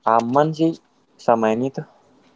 aman sih selama ini tuh